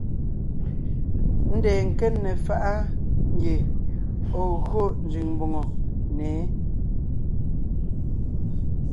Ndeen nke ne faʼa ngie ɔ̀ gyo nzẅìŋ mbòŋo ne yé.